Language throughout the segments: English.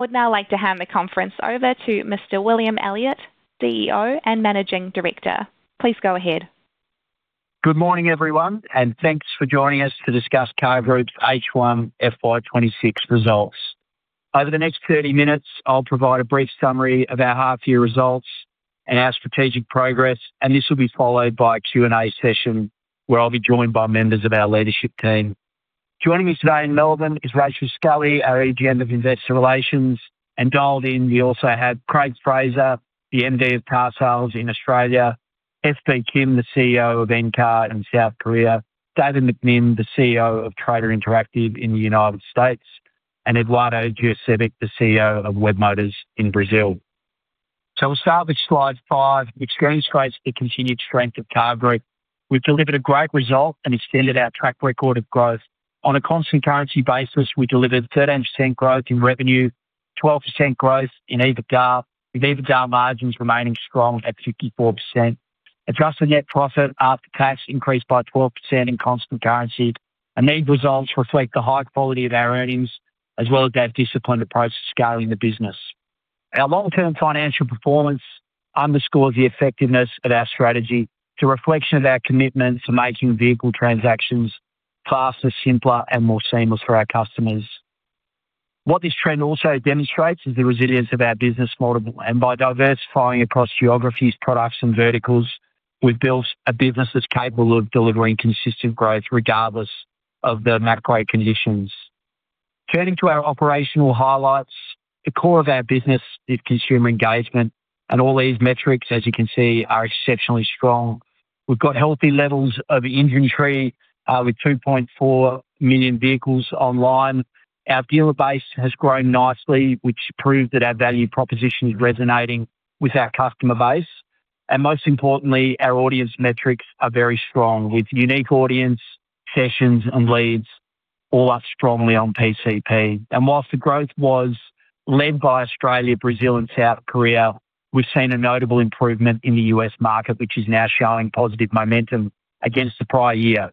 I would now like to hand the conference over to Mr. William Elliott, CEO and Managing Director. Please go ahead. Good morning, everyone, and thanks for joining us to discuss CAR Group's H1 FY 2026 Results. Over the next 30 minutes, I'll provide a brief summary of our half year results and our strategic progress, and this will be followed by a Q&A session, where I'll be joined by members of our leadership team. Joining me today in Melbourne is Rachel Scully, our Head of Investor Relations, and dialed in, we also have Craig Fraser, the MD of carsales in Australia, SB Kim, the CEO of Encar in South Korea, David McMinn, the CEO of Trader Interactive in the United States, and Eduardo Jurcevic, the CEO of Webmotors in Brazil. So we'll start with slide five, which demonstrates the continued strength of CAR Group. We've delivered a great result and extended our track record of growth. On a constant currency basis, we delivered 13% growth in revenue, 12% growth in EBITDA, with EBITDA margins remaining strong at 54%. Adjusted net profit after tax increased by 12% in constant currency, and these results reflect the high quality of our earnings as well as our disciplined approach to scaling the business. Our long-term financial performance underscores the effectiveness of our strategy. It's a reflection of our commitment to making vehicle transactions faster, simpler and more seamless for our customers. What this trend also demonstrates is the resilience of our business model, and by diversifying across geographies, products and verticals, we've built a business that's capable of delivering consistent growth regardless of the macro conditions. Turning to our operational highlights, the core of our business is consumer engagement, and all these metrics, as you can see, are exceptionally strong. We've got healthy levels of inventory with 2.4 million vehicles online. Our dealer base has grown nicely, which proves that our value proposition is resonating with our customer base. Most importantly, our audience metrics are very strong, with unique audience, sessions, and leads all up strongly on PCP. Whilst the growth was led by Australia, Brazil, and South Korea, we've seen a notable improvement in the U.S. market, which is now showing positive momentum against the prior year.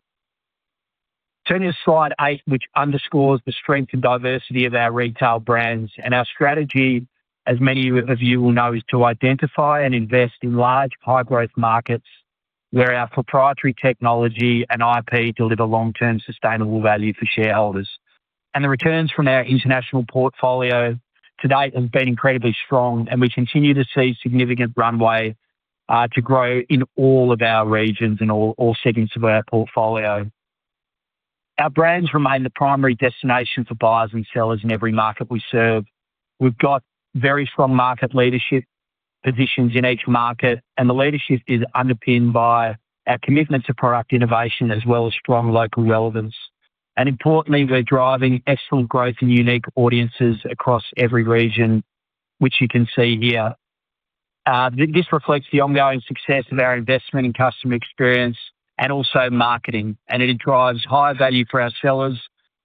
Turning to slide eight, which underscores the strength and diversity of our retail brands. Our strategy, as many of you will know, is to identify and invest in large, high-growth markets where our proprietary technology and IP deliver long-term sustainable value for shareholders. And the returns from our international portfolio to date have been incredibly strong, and we continue to see significant runway to grow in all of our regions and all segments of our portfolio. Our brands remain the primary destination for buyers and sellers in every market we serve. We've got very strong market leadership positions in each market, and the leadership is underpinned by our commitment to product innovation as well as strong local relevance. And importantly, we're driving excellent growth in unique audiences across every region, which you can see here. This reflects the ongoing success of our investment in customer experience and also marketing, and it drives higher value for our sellers,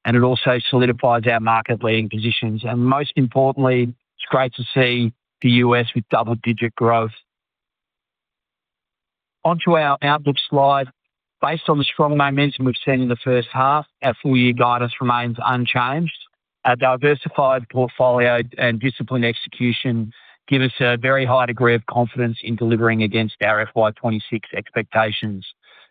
and it also solidifies our market-leading positions. And most importantly, it's great to see the U.S. with double-digit growth. Onto our outlook slide. Based on the strong momentum we've seen in the first half, our full-year guidance remains unchanged. Our diversified portfolio and disciplined execution give us a very high degree of confidence in delivering against our FY 2026 expectations.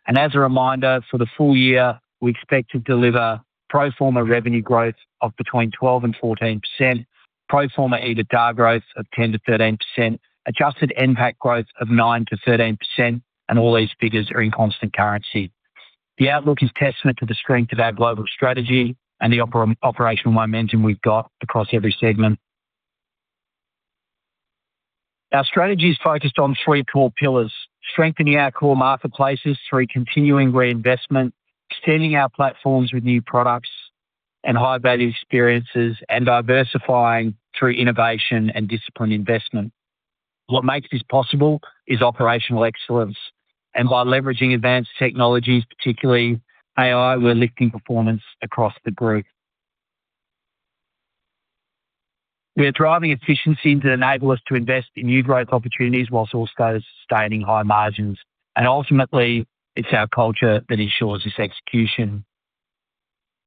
And as a reminder, for the full year, we expect to deliver pro forma revenue growth of between 12% and 14%, pro forma EBITDA growth of 10%-13%, adjusted NPAT growth of 9%-13%, and all these figures are in constant currency. The outlook is testament to the strength of our global strategy and the operational momentum we've got across every segment. Our strategy is focused on three core pillars: strengthening our core marketplaces through continuing reinvestment, extending our platforms with new products and high-value experiences, and diversifying through innovation and disciplined investment. What makes this possible is operational excellence, and by leveraging advanced technologies, particularly AI, we're lifting performance across the group. We are driving efficiency to enable us to invest in new growth opportunities while also sustaining high margins. Ultimately, it's our culture that ensures this execution.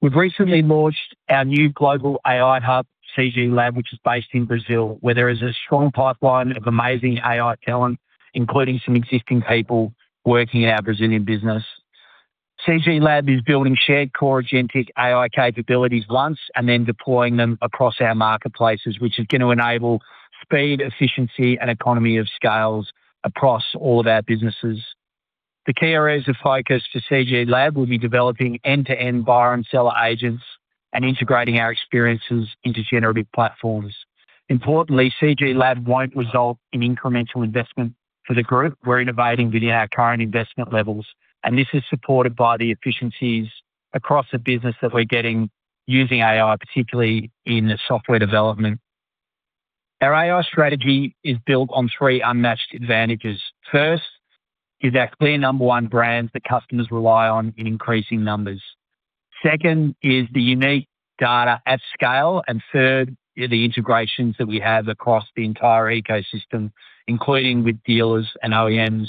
We've recently launched our new global AI hub, CG Lab, which is based in Brazil, where there is a strong pipeline of amazing AI talent, including some existing people working in our Brazilian business. CG Lab is building shared core agentic AI capabilities once and then deploying them across our marketplaces, which is going to enable speed, efficiency, and economies of scale across all of our businesses. The key areas of focus for CG Lab will be developing end-to-end buyer and seller agents and integrating our experiences into generative platforms. Importantly, CG Lab won't result in incremental investment for the group. We're innovating within our current investment levels, and this is supported by the efficiencies across the business that we're getting using AI, particularly in the software development. Our AI strategy is built on three unmatched advantages. First, is our clear number one brands that customers rely on in increasing numbers. Second, is the unique data at scale, and third, is the integrations that we have across the entire ecosystem, including with dealers and OEMs.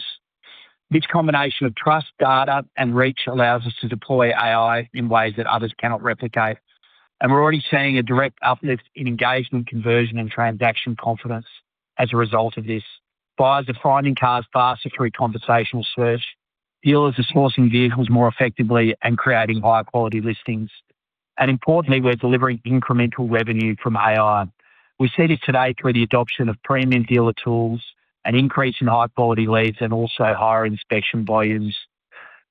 This combination of trust, data, and reach allows us to deploy AI in ways that others cannot replicate. And we're already seeing a direct uplift in engagement, conversion, and transaction confidence as a result of this. Buyers are finding cars faster through conversational search. Dealers are sourcing vehicles more effectively and creating higher quality listings. And importantly, we're delivering incremental revenue from AI. We see this today through the adoption of premium dealer tools and increase in high-quality leads and also higher inspection volumes.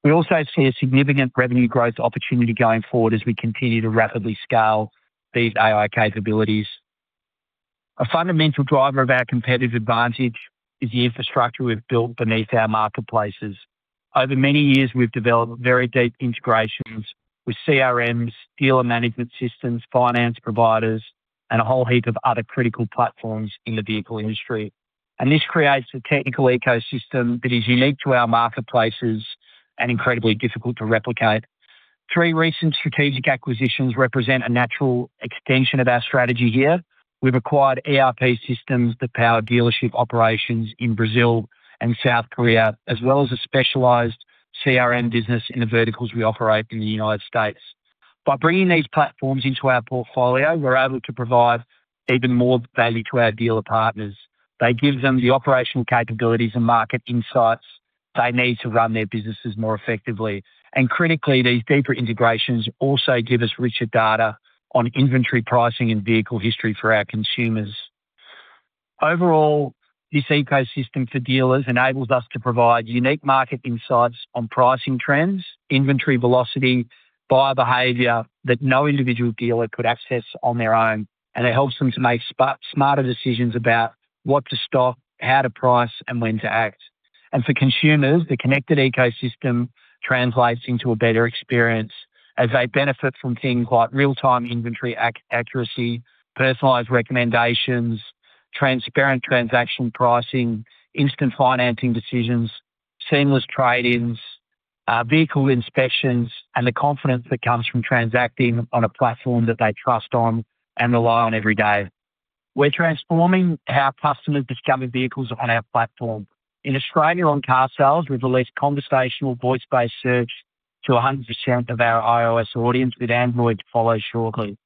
We also see a significant revenue growth opportunity going forward as we continue to rapidly scale these AI capabilities. A fundamental driver of our competitive advantage is the infrastructure we've built beneath our marketplaces. Over many years, we've developed very deep integrations with CRMs, dealer management systems, finance providers, and a whole heap of other critical platforms in the vehicle industry. And this creates a technical ecosystem that is unique to our marketplaces and incredibly difficult to replicate. Three recent strategic acquisitions represent a natural extension of our strategy here. We've acquired ERP systems that power dealership operations in Brazil and South Korea, as well as a specialized CRM business in the verticals we operate in the United States. By bringing these platforms into our portfolio, we're able to provide even more value to our dealer partners. They give them the operational capabilities and market insights they need to run their businesses more effectively. And critically, these deeper integrations also give us richer data on inventory pricing and vehicle history for our consumers. Overall, this ecosystem for dealers enables us to provide unique market insights on pricing trends, inventory velocity, buyer behavior that no individual dealer could access on their own, and it helps them to make smarter decisions about what to stock, how to price, and when to act. For consumers, the connected ecosystem translates into a better experience as they benefit from things like real-time inventory accuracy, personalized recommendations, transparent transaction pricing, instant financing decisions, seamless trade-ins, vehicle inspections, and the confidence that comes from transacting on a platform that they trust on and rely on every day. We're transforming how customers discover vehicles on our platform. In Australia, on carsales, we've released conversational voice-based search to 100% of our iOS audience, with Android to follow shortly.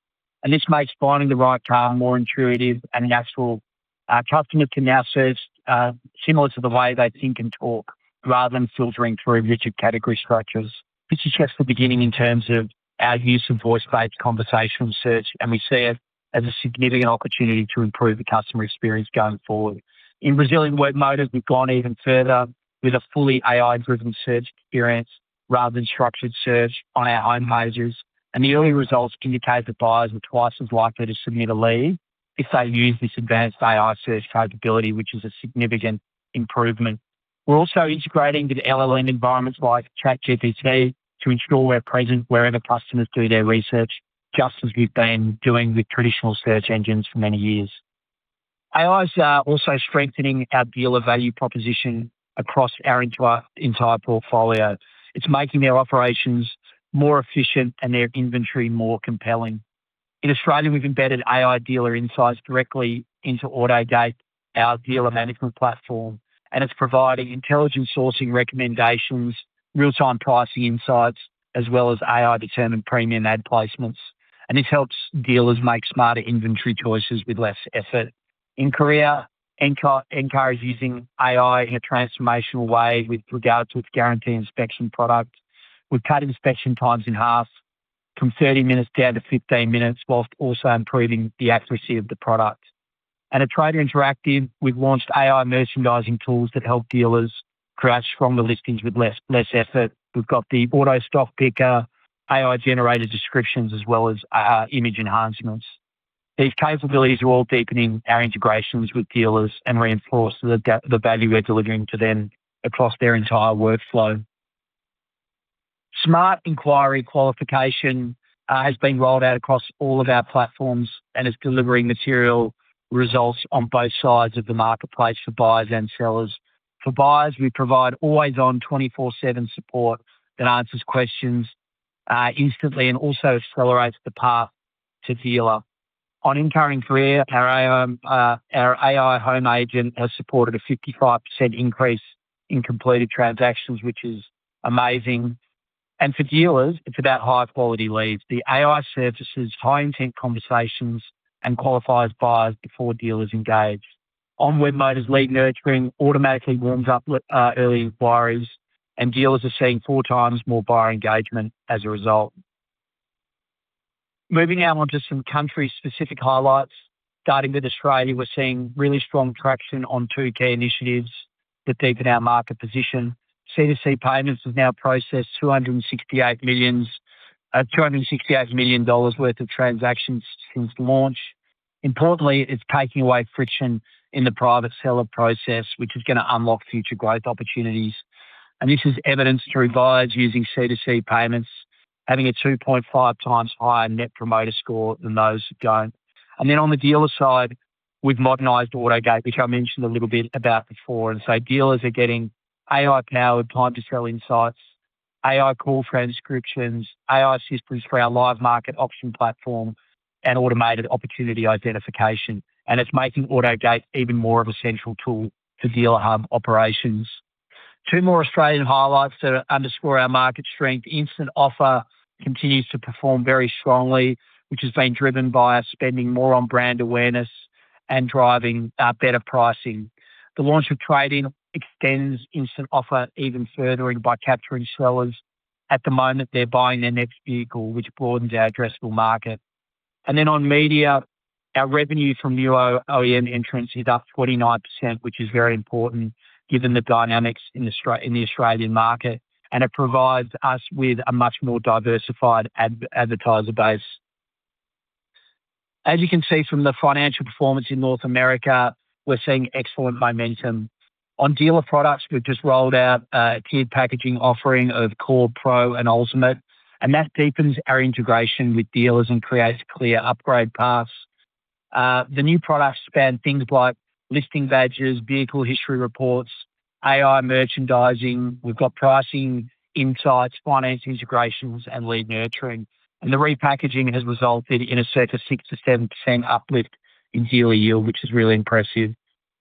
This makes finding the right car more intuitive and natural. Our customers can now search similar to the way they think and talk, rather than filtering through rigid category structures. This is just the beginning in terms of our use of voice-based conversational search, and we see it as a significant opportunity to improve the customer experience going forward. In Brazilian Webmotors, we've gone even further with a fully AI-driven search experience rather than structured search on our home pages, and the early results indicate that buyers are twice as likely to submit a lead if they use this advanced AI search capability, which is a significant improvement. We're also integrating with LLM environments like ChatGPT to ensure we're present wherever customers do their research, just as we've been doing with traditional search engines for many years. AIs are also strengthening our dealer value proposition across our entire portfolio. It's making their operations more efficient and their inventory more compelling. In Australia, we've embedded AI dealer insights directly into Autogate, our dealer management platform, and it's providing intelligent sourcing recommendations, real-time pricing insights, as well as AI-determined premium ad placements. This helps dealers make smarter inventory choices with less effort. In Korea, Encar is using AI in a transformational way with regards to its Guarantee inspection product. We've cut inspection times in half from 30 minutes down to 15 minutes, while also improving the accuracy of the product. At Trader Interactive, we've launched AI merchandising tools that help dealers create stronger listings with less effort. We've got the auto stock picker, AI-generated descriptions, as well as image enhancements. These capabilities are all deepening our integrations with dealers and reinforce the value we're delivering to them across their entire workflow. Smart inquiry qualification has been rolled out across all of our platforms and is delivering material results on both sides of the marketplace for buyers and sellers. For buyers, we provide always-on 24/7 support that answers questions instantly and also accelerates the path to dealer. On Encar Home in Korea, our AI, our AI home agent has supported a 55% increase in completed transactions, which is amazing. And for dealers, it's about high-quality leads. The AI surfaces high-intent conversations and qualifies buyers before dealers engage. On Webmotors, lead nurturing automatically warms up early inquiries, and dealers are seeing four times more buyer engagement as a result. Moving now on to some country-specific highlights. Starting with Australia, we're seeing really strong traction on two key initiatives that deepen our market position. C2C Payments has now processed AUD 268 million worth of transactions since launch. Importantly, it's taking away friction in the private seller process, which is gonna unlock future growth opportunities. And this is evidenced through buyers using C2C Payments, having a 2.5 times higher Net Promoter Score than those who don't. On the dealer side, we've modernized Autogate, which I mentioned a little bit about before. Dealers are getting AI-powered time-to-sell insights. AI call transcriptions, AI assistants for our live market auction platform, and automated opportunity identification, and it's making Autogate even more of a central tool for dealer hub operations. Two more Australian highlights that underscore our market strength. Instant Offer continues to perform very strongly, which has been driven by us spending more on brand awareness and driving better pricing. The launch of Trade-in extends Instant Offer even further by capturing sellers at the moment they're buying their next vehicle, which broadens our addressable market. And then on media, our revenue from new OEM entrants is up 49%, which is very important given the dynamics in the Australian market, and it provides us with a much more diversified advertiser base. As you can see from the financial performance in North America, we're seeing excellent momentum. On dealer products, we've just rolled out a tiered packaging offering of Core, Pro, and Ultimate, and that deepens our integration with dealers and creates clear upgrade paths. The new products span things like listing badges, vehicle history reports, AI merchandising. We've got pricing insights, finance integrations, and lead nurturing, and the repackaging has resulted in a 6%-7% uplift in dealer yield, which is really impressive.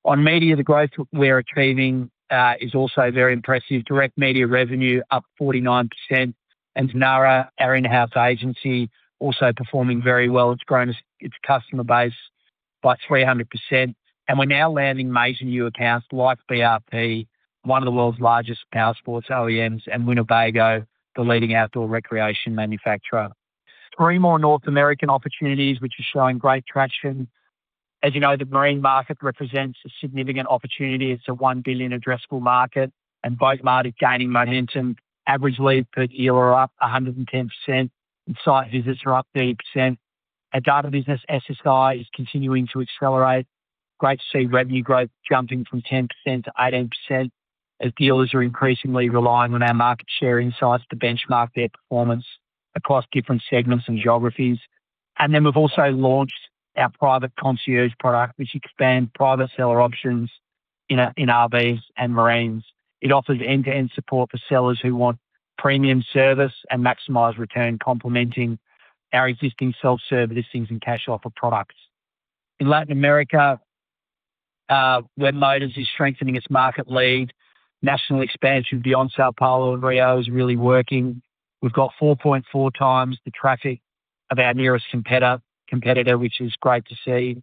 On media, the growth we're achieving is also very impressive. Direct media revenue up 49%, and Dinara, our in-house agency, also performing very well. It's grown its customer base by 300%, and we're now landing major new accounts like BRP, one of the world's largest powersports OEMs, and Winnebago, the leading outdoor recreation manufacturer. 3 more North American opportunities, which are showing great traction. As you know, the marine market represents a significant opportunity. It's a $1 billion addressable market, and Boatmart is gaining momentum. Average leads per dealer are up 110%, and site visits are up 30%. Our data business, SSI, is continuing to accelerate. Great to see revenue growth jumping from 10% to 18%, as dealers are increasingly relying on our market share insights to benchmark their performance across different segments and geographies. And then we've also launched our private concierge product, which expands private seller options in RVs and marine. It offers end-to-end support for sellers who want premium service and maximize return, complementing our existing self-service listings and cash offer products. In Latin America, Webmotors is strengthening its market lead. National expansion beyond São Paulo and Rio is really working. We've got 4.4 times the traffic of our nearest competitor, which is great to see.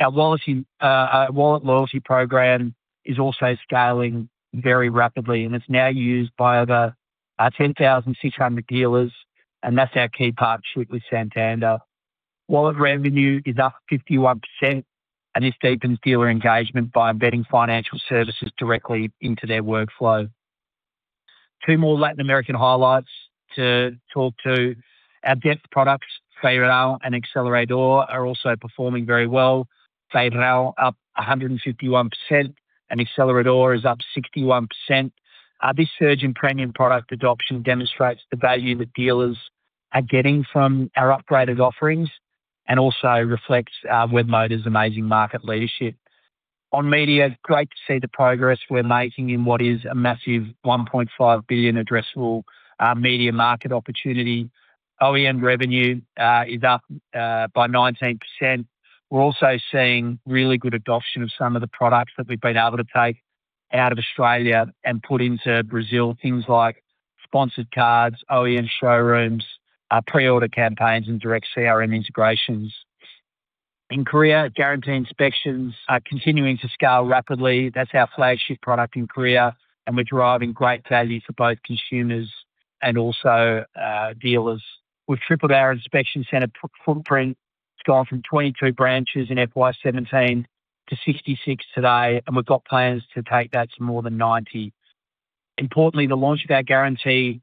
Our Wallet loyalty program is also scaling very rapidly, and it's now used by over 10,600 dealers, and that's our key partnership with Santander. Wallet revenue is up 51%, and this deepens dealer engagement by embedding financial services directly into their workflow. Two more Latin American highlights to talk to. Our depth products, Feirão and Acelerador, are also performing very well. Feirão up 151%, and Acelerador is up 61%. This surge in premium product adoption demonstrates the value that dealers are getting from our upgraded offerings and also reflects Webmotors' amazing market leadership. On media, great to see the progress we're making in what is a massive 1.5 billion addressable media market opportunity. OEM revenue is up by 19%. We're also seeing really good adoption of some of the products that we've been able to take out of Australia and put into Brazil, things like sponsored cards, OEM showrooms, pre-order campaigns, and direct CRM integrations. In Korea, Guarantee Inspections are continuing to scale rapidly. That's our flagship product in Korea, and we're driving great value for both consumers and also dealers. We've tripled our inspection center presence footprint. It's gone from 22 branches in FY 2017 to 66 today, and we've got plans to take that to more than 90. Importantly, the launch of our Guarantee+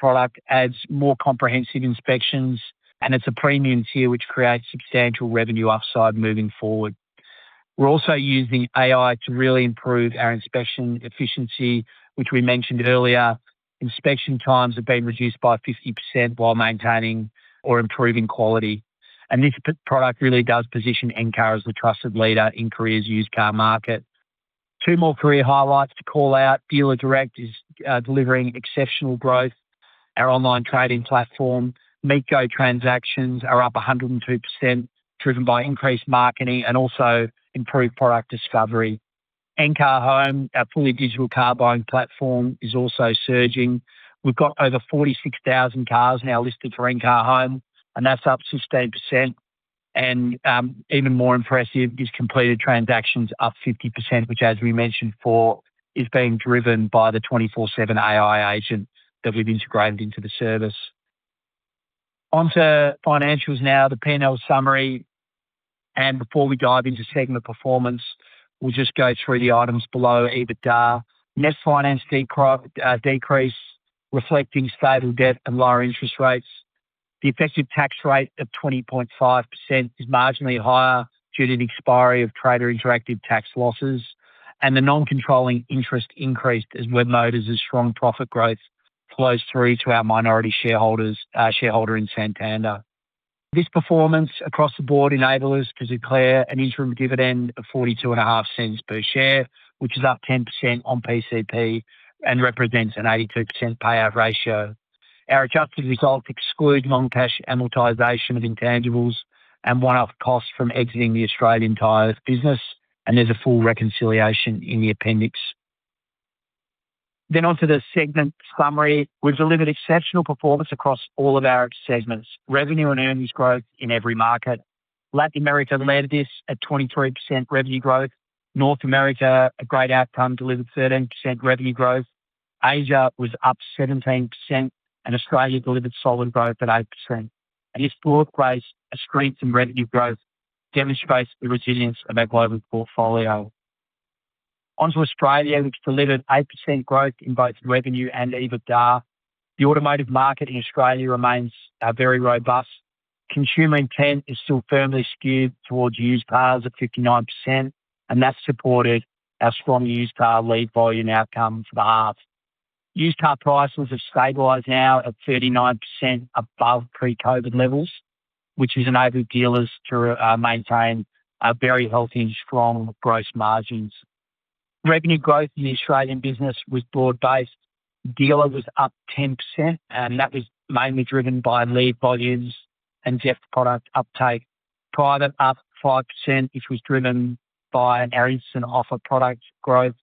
product adds more comprehensive inspections, and it's a premium tier, which creates substantial revenue upside moving forward. We're also using AI to really improve our inspection efficiency, which we mentioned earlier. Inspection times have been reduced by 50% while maintaining or improving quality, and this product really does position Encar as the trusted leader in Korea's used car market. Two more career highlights to call out. Dealer Direct is delivering exceptional growth, our online trading platform. Mitgo transactions are up 102%, driven by increased marketing and also improved product discovery. Encar Home, our fully digital car buying platform, is also surging. We've got over 46,000 cars now listed for Encar Home, and that's up 16%. Even more impressive is completed transactions up 50%, which, as we mentioned before, is being driven by the 24/7 AI agent that we've integrated into the service. Onto financials now, the P&L summary, and before we dive into segment performance, we'll just go through the items below EBITDA. Net finance decrease, reflecting stable debt and lower interest rates. The effective tax rate of 20.5% is marginally higher due to the expiry of Trader Interactive tax losses, and the non-controlling interest increased as Webmotors' strong profit growth flows through to our minority shareholders, shareholder in Santander. This performance across the board enable us to declare an interim dividend of 0.425 per share, which is up 10% on PCP and represents an 82% payout ratio. Our adjusted results exclude non-cash amortization of intangibles and one-off costs from exiting the Australian tire business, and there's a full reconciliation in the appendix. Then on to the segment summary. We've delivered exceptional performance across all of our segments. Revenue and earnings growth in every market. Latin America led this at 23% revenue growth. North America, a great outcome, delivered 13% revenue growth. Asia was up 17%, and Australia delivered solid growth at 8%. And this broad-based strength in revenue growth demonstrates the resilience of our global portfolio. Onto Australia, which delivered 8% growth in both revenue and EBITDA. The automotive market in Australia remains very robust. Consumer intent is still firmly skewed towards used cars at 59%, and that supported our strong used car lead volume outcome for the half. Used car prices have stabilized now at 39% above pre-COVID levels, which has enabled dealers to maintain very healthy and strong gross margins. Revenue growth in the Australian business was broad-based. Dealer was up 10%, and that was mainly driven by lead volumes and depth product uptake. Private, up 5%, which was driven by our Instant Offer product growth.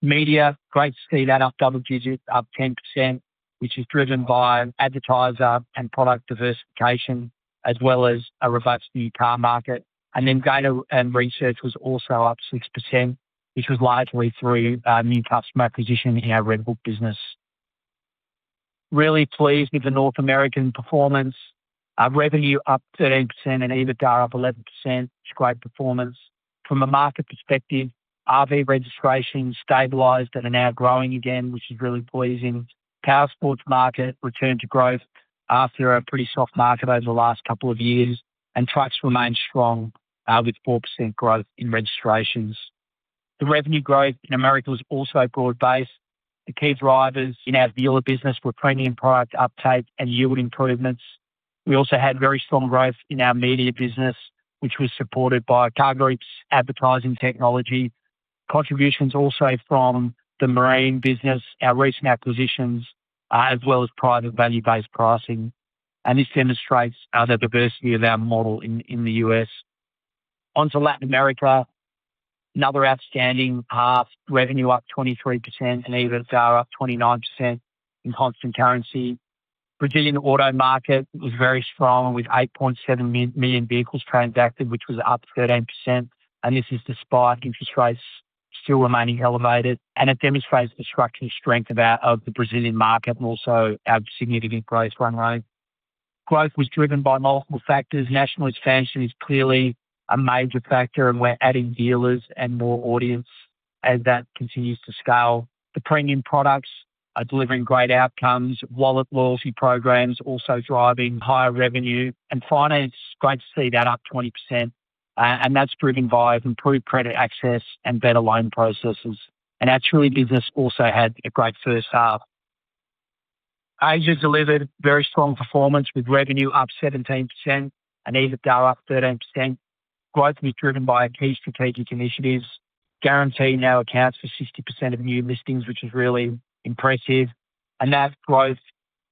Media, great to see that up double digits, up 10%, which is driven by advertiser and product diversification, as well as a robust new car market. And then data and research was also up 6%, which was largely through new customer acquisition in our RedBook business. Really pleased with the North American performance. Our revenue up 13% and EBITDA up 11%, it's great performance. From a market perspective, RV registrations stabilized and are now growing again, which is really pleasing. Powersports market returned to growth after a pretty soft market over the last couple of years, and trucks remain strong, with 4% growth in registrations. The revenue growth in America was also broad-based. The key drivers in our dealer business were premium product uptake and yield improvements. We also had very strong growth in our media business, which was supported by CAR Group's advertising technology. Contributions also from the marine business, our recent acquisitions, as well as private value-based pricing. This demonstrates the diversity of our model in the US. On to Latin America. Another outstanding half. Revenue up 23% and EBITDA up 29% in constant currency. Brazilian auto market was very strong, with 8.7 million vehicles transacted, which was up 13%, and this is despite interest rates still remaining elevated. It demonstrates the structural strength of the Brazilian market and also our significant growth runway. Growth was driven by multiple factors. National expansion is clearly a major factor, and we're adding dealers and more audience as that continues to scale. The premium products are delivering great outcomes. Wallet loyalty programs also driving higher revenue. And finance, great to see that up 20%, and that's driven by improved credit access and better loan processes. And our Troca business also had a great first half. Asia delivered very strong performance, with revenue up 17% and EBITDA up 13%. Growth was driven by our key strategic initiatives. Guarantee now accounts for 60% of new listings, which is really impressive. And that growth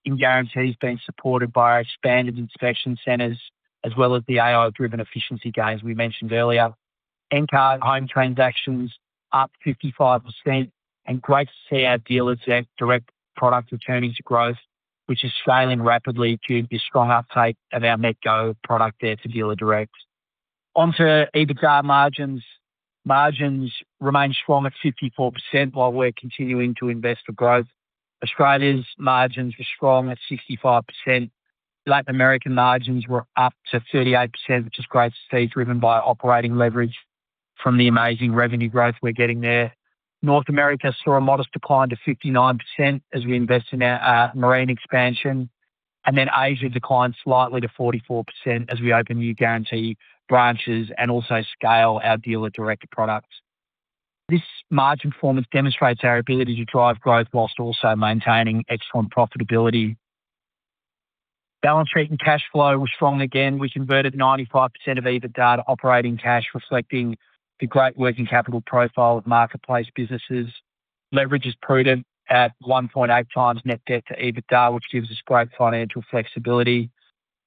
in Guarantee has been supported by our expanded inspection centers, as well as the AI-driven efficiency gains we mentioned earlier. Encar Home transactions up 55%, and great to see our Dealer Direct product returning to growth, which is scaling rapidly due to the strong uptake of our Mitgo product there to Dealer Direct. Onto EBITDA margins. Margins remain strong at 54%, while we're continuing to invest for growth. Australia's margins were strong at 65%. Latin American margins were up to 38%, which is great to see, driven by operating leverage from the amazing revenue growth we're getting there. North America saw a modest decline to 59% as we invest in our marine expansion. Then Asia declined slightly to 44% as we open new Guarantee branches and also scale our Dealer Direct products. This margin performance demonstrates our ability to drive growth while also maintaining excellent profitability. Balance sheet and cash flow was strong again. We converted 95% of EBITDA to operating cash, reflecting the great working capital profile of marketplace businesses. Leverage is prudent at 1.8x net debt to EBITDA, which gives us great financial flexibility.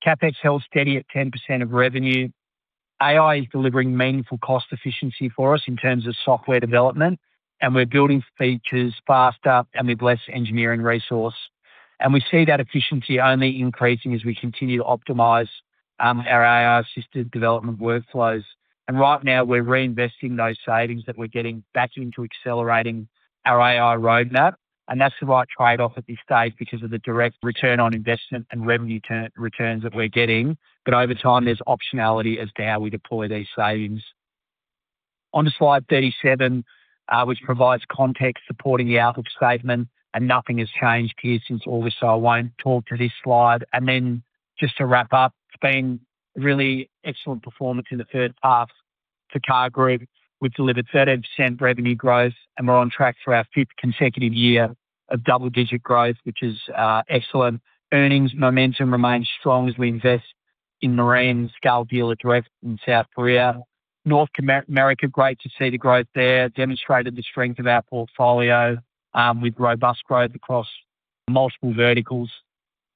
CapEx held steady at 10% of revenue. AI is delivering meaningful cost efficiency for us in terms of software development, and we're building features faster, and with less engineering resource. And we see that efficiency only increasing as we continue to optimize, our AI-assisted development workflows. And right now, we're reinvesting those savings that we're getting back into accelerating our AI roadmap, and that's the right trade-off at this stage because of the direct return on investment and revenue returns that we're getting. But over time, there's optionality as to how we deploy these savings. On to slide 37, which provides context supporting the outlook statement, and nothing has changed here since August, so I won't talk to this slide. And then just to wrap up, it's been really excellent performance in the first half for CAR Group, we've delivered 13% revenue growth, and we're on track for our fifth consecutive year of double-digit growth, which is, excellent. Earnings momentum remains strong as we invest in Marine's scale Dealer Direct in South Korea. North America, great to see the growth there, demonstrated the strength of our portfolio, with robust growth across multiple verticals.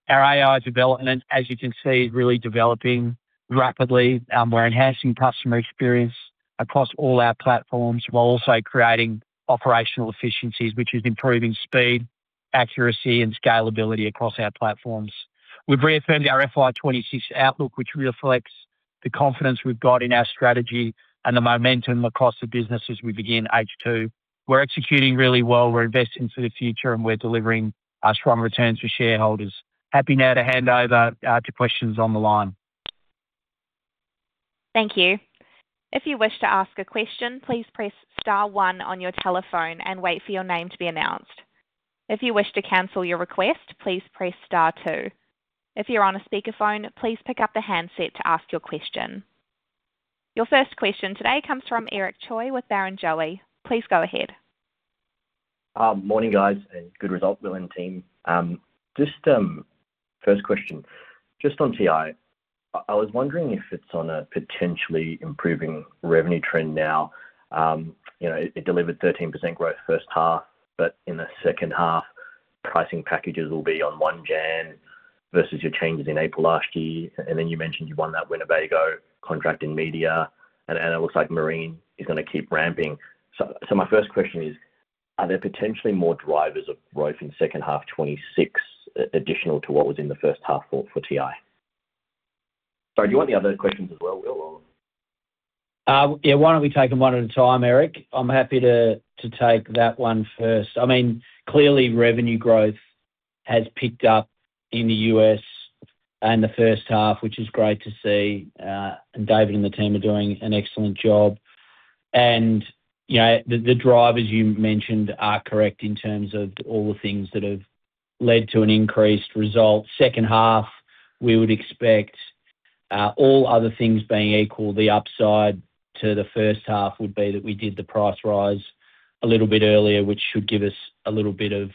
Our AI development, as you can see, is really developing rapidly. We're enhancing customer experience across all our platforms, while also creating operational efficiencies, which is improving speed, accuracy, and scalability across our platforms. We've reaffirmed our FY 2026 outlook, which reflects the confidence we've got in our strategy and the momentum across the business as we begin H2. We're executing really well, we're investing for the future, and we're delivering, strong returns for shareholders. Happy now to hand over, to questions on the line. Thank you. If you wish to ask a question, please press star one on your telephone and wait for your name to be announced. If you wish to cancel your request, please press star two. If you're on a speakerphone, please pick up the handset to ask your question. Your first question today comes from Eric Choi with Barrenjoey. Please go ahead. Morning, guys, and good result, Will and team. Just, first question, just on T&I. I was wondering if it's on a potentially improving revenue trend now. You know, it delivered 13% growth first half, but in the second half, pricing packages will be on 1 Jan, versus your changes in April last year. And then you mentioned you won that Winnebago contract in media, and it looks like Marine is gonna keep ramping. So, my first question is: Are there potentially more drivers of growth in second half 2026, additional to what was in the first half for TI? Sorry, do you want the other questions as well, Will, or? Yeah, why don't we take them one at a time, Eric? I'm happy to, to take that one first. I mean, clearly, revenue growth has picked up in the US and the first half, which is great to see, and David and the team are doing an excellent job. And, you know, the, the drivers you mentioned are correct in terms of all the things that have led to an increased result. Second half, we would expect, all other things being equal The upside to the first half would be that we did the price rise a little bit earlier, which should give us a little bit of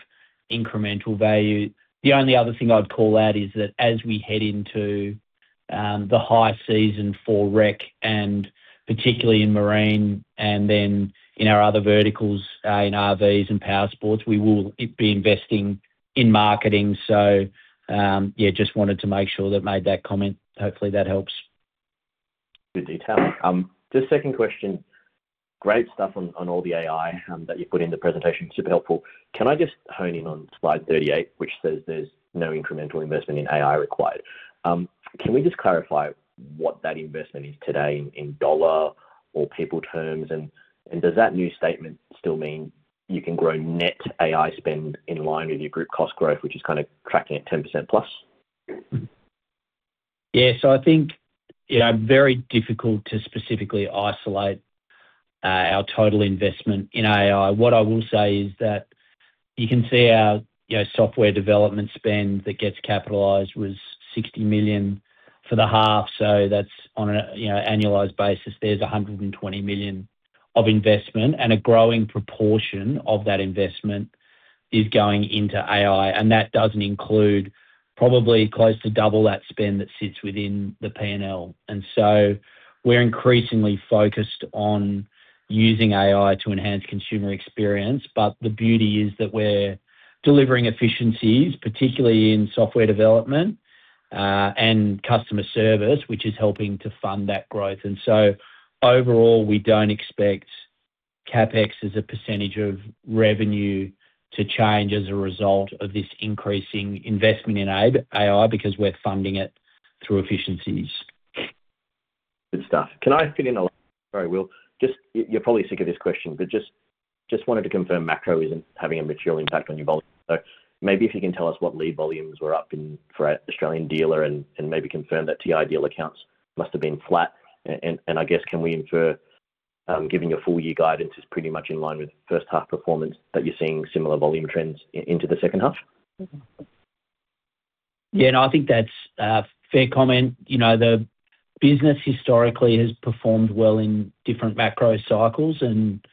incremental value. The only other thing I'd call out is that as we head into the high season for rec, and particularly in Marine and then in our other verticals, in RVs and powersports, we will be investing in marketing. So, yeah, just wanted to make sure that made that comment. Hopefully, that helps. Good detail. Just second question: Great stuff on, on all the AI that you put in the presentation. Super helpful. Can I just hone in on slide 38, which says there's no incremental investment in AI required? Can we just clarify what that investment is today in dollar or people terms, and does that new statement still mean you can grow net AI spend in line with your group cost growth, which is kind of tracking at 10%+? Yeah, so I think, you know, very difficult to specifically isolate our total investment in AI. What I will say is that you can see our, you know, software development spend that gets capitalized was 60 million for the half, so that's on a, you know, annualized basis. There's 120 million of investment, and a growing proportion of that investment is going into AI, and that doesn't include probably close to double that spend that sits within the P&L. And so we're increasingly focused on using AI to enhance consumer experience, but the beauty is that we're delivering efficiencies, particularly in software development and customer service, which is helping to fund that growth. And so overall, we don't expect CapEx as a percentage of revenue to change as a result of this increasing investment in AI, because we're funding it through efficiencies. Good stuff. Can I fit in? Sorry, Will. Just, you're probably sick of this question, but just wanted to confirm macro isn't having a material impact on your volume. So maybe if you can tell us what lead volumes were up in for Australian dealer and, and maybe confirm that TI dealer accounts must have been flat. And I guess, can we infer, giving you a full year guidance is pretty much in line with first half performance, that you're seeing similar volume trends into the second half? Yeah, no, I think that's a fair comment. You know, the business historically has performed well in different macro cycles and,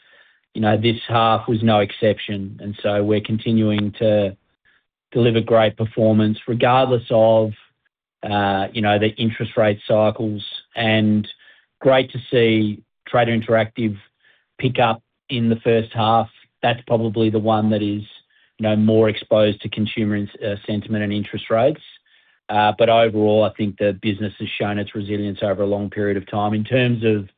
you know, this half was no exception, and so we're continuing to deliver great performance regardless of, you know, the interest rate cycles. And great to see Trader Interactive pick up in the first half. That's probably the one that is, you know, more exposed to consumer in sentiment and interest rates. But overall, I think the business has shown its resilience over a long period of time. In terms of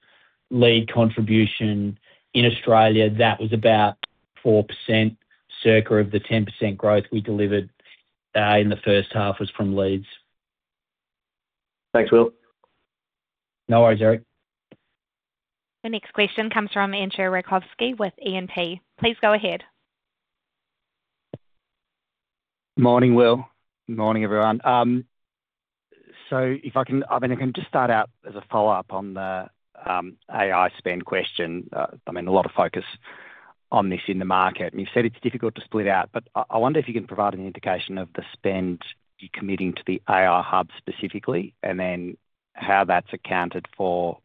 lead contribution in Australia, that was about 4%, circa of the 10% growth we delivered in the first half was from leads. Thanks, Will. No worries, Eric. The next question comes from Andrew Rekowski with E&P. Please go ahead. Morning, Will. Morning, everyone. So if I can I mean, I can just start out as a follow-up on the AI spend question. I mean, a lot of focus on this in the market, and you said it's difficult to split out, but I wonder if you can provide any indication of the spend you're committing to the AI hub specifically, and then how that's accounted for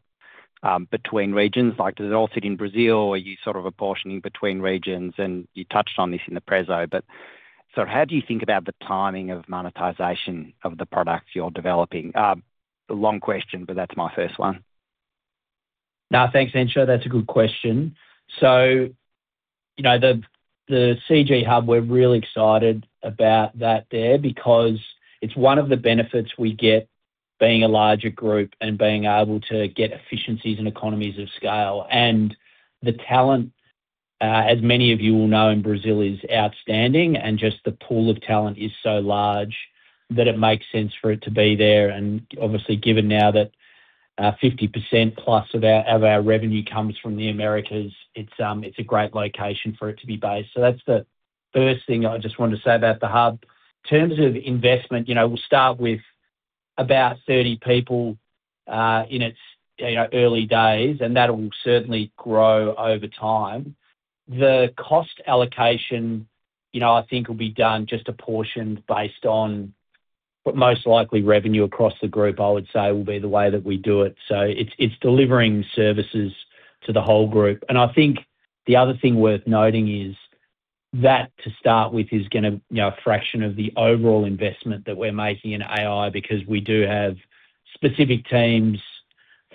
between regions. Like, does it all sit in Brazil, or are you sort of apportioning between regions? And you touched on this in the preso, but so how do you think about the timing of monetization of the products you're developing? A long question, but that's my first one. No, thanks, Andrew. That's a good question. So, you know, the CG Lab, we're really excited about that there because it's one of the benefits we get being a larger group and being able to get efficiencies and economies of scale. And the talent, as many of you will know, in Brazil, is outstanding, and just the pool of talent is so large that it makes sense for it to be there. And obviously, given now that, 50% plus of our, of our revenue comes from the Americas, it's, it's a great location for it to be based. So that's the first thing I just wanted to say about the hub. Terms of investment, you know, we'll start with about 30 people, in its, you know, early days, and that'll certainly grow over time. The cost allocation, you know, I think will be done just apportioned based on what most likely revenue across the group, I would say, will be the way that we do it. So it's delivering services to the whole group. And I think the other thing worth noting is that, to start with, is gonna, you know, a fraction of the overall investment that we're making in AI, because we do have specific teams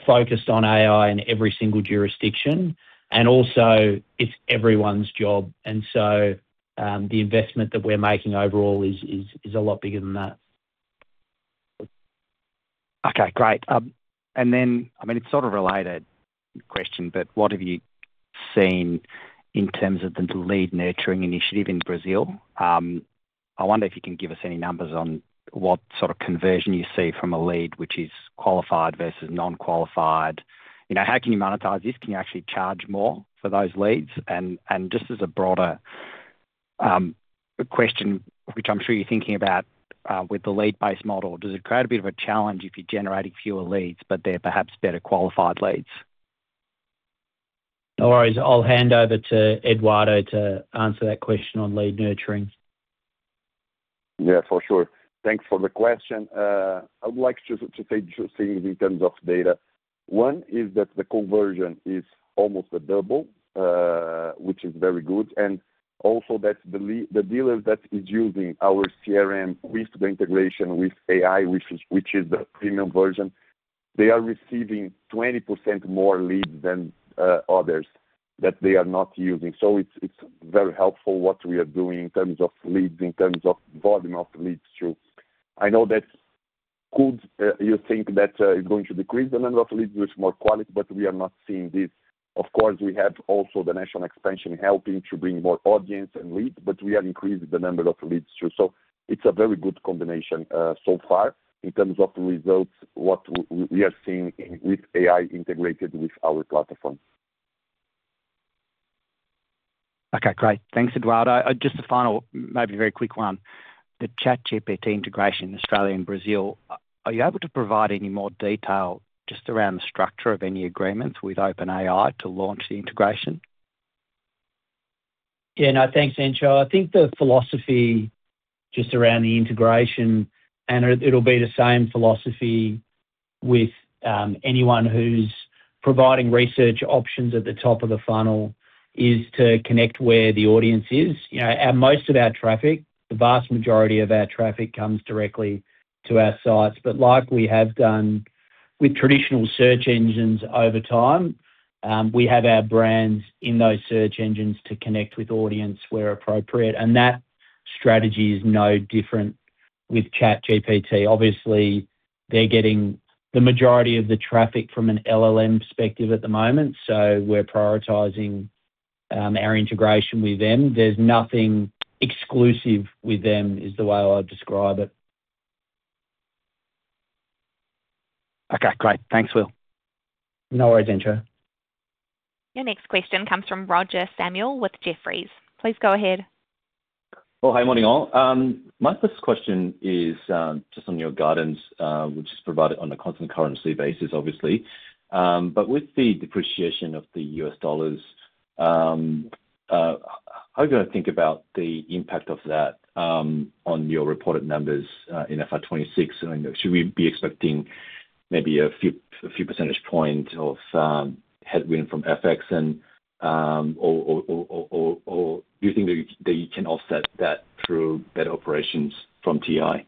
focused on AI in every single jurisdiction, and also it's everyone's job. And so, the investment that we're making overall is a lot bigger than that. Okay, great. And then, I mean, it's sort of a related question, but what have you seen in terms of the lead nurturing initiative in Brazil? I wonder if you can give us any numbers on what sort of conversion you see from a lead which is qualified versus non-qualified. You know, how can you monetize this? Can you actually charge more for those leads? And just as a broader question, which I'm sure you're thinking about, with the lead-based model, does it create a bit of a challenge if you're generating fewer leads, but they're perhaps better qualified leads? No worries. I'll hand over to Eduardo to answer that question on lead nurturing. Yeah, for sure. Thanks for the question. I would like to say two things in terms of data. One is that the conversion is almost double, which is very good, and also that the dealers that is using our CRM with the integration with AI, which is the premium version, they are receiving 20% more leads than others that they are not using. So it's very helpful what we are doing in terms of leads, in terms of volume of leads, too. I know that could you think that it's going to decrease the number of leads with more quality, but we are not seeing this. Of course, we have also the national expansion helping to bring more audience and leads, but we have increased the number of leads, too. So it's a very good combination, so far in terms of the results, what we are seeing in with AI integrated with our platform. Okay, great. Thanks, Eduardo. Just a final, maybe very quick one. The ChatGPT integration in Australia and Brazil, are you able to provide any more detail just around the structure of any agreements with OpenAI to launch the integration? Yeah. No, thanks, Andrew. I think the Willosophy just around the integration, and it, it'll be the same Willosophy with anyone who's providing research options at the top of the funnel, is to connect where the audience is. You know, and most of our traffic, the vast majority of our traffic comes directly to our sites. But like we have done with traditional search engines over time, we have our brands in those search engines to connect with audience where appropriate, and that strategy is no different with ChatGPT. Obviously, they're getting the majority of the traffic from an LLM perspective at the moment, so we're prioritizing our integration with them. There's nothing exclusive with them, is the way I'll describe it. Okay, great. Thanks, Will. No worries, Andrew. Your next question comes from Roger Samuel with Jefferies. Please go ahead. Well, hi, good morning, all. My first question is just on your guidance, which is provided on a constant currency basis, obviously. But with the depreciation of the U.S. dollar, how do you think about the impact of that on your reported numbers in FY 2026? And should we be expecting maybe a few percentage point of headwind from FX and, or do you think that you can offset that through better operations from TI?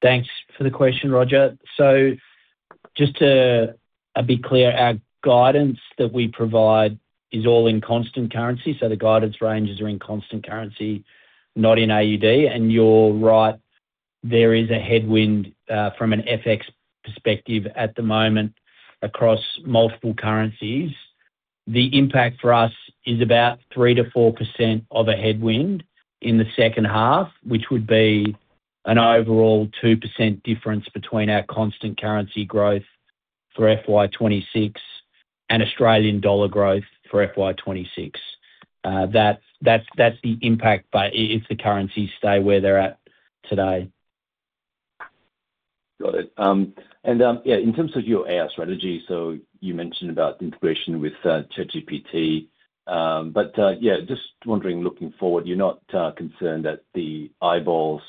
Thanks for the question, Roger. So just to be clear, our guidance that we provide is all in constant currency, so the guidance ranges are in constant currency, not in AUD. And you're right, there is a headwind from an FX perspective at the moment across multiple currencies. The impact for us is about 3%-4% of a headwind in the second half, which would be an overall 2% difference between our constant currency growth for FY 2026 and Australian dollar growth for FY 2026. That's the impact if the currencies stay where they're at today. Got it. And yeah, in terms of your AI strategy, so you mentioned about integration with ChatGPT, but yeah, just wondering, looking forward, you're not concerned that the eyeballs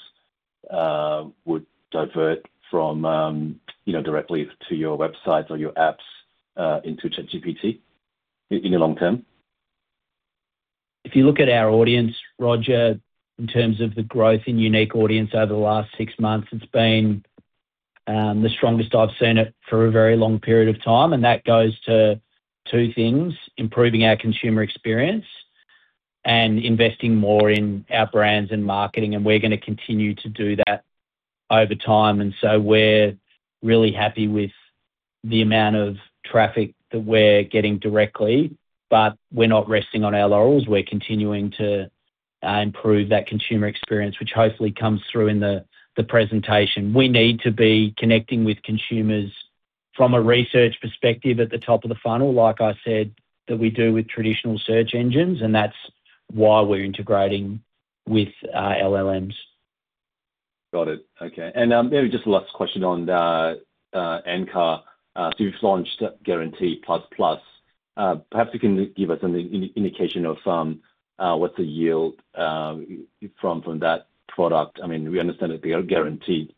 would divert from, you know, directly to your websites or your apps, into ChatGPT, in the long term? If you look at our audience, Roger, in terms of the growth in unique audience over the last six months, it's been the strongest I've seen it for a very long period of time, and that goes to two things: improving our consumer experience and investing more in our brands and marketing. We're gonna continue to do that over time, and so we're really happy with the amount of traffic that we're getting directly, but we're not resting on our laurels. We're continuing to improve that consumer experience, which hopefully comes through in the presentation. We need to be connecting with consumers from a research perspective at the top of the funnel, like I said, that we do with traditional search engines, and that's why we're integrating with LLMs. Got it. Okay. And maybe just the last question on the Encar, so you've launched Guarantee+. Perhaps you can give us an indication of what's the yield from that product. I mean, we understand that the Guarantee